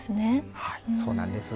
はいそうなんです。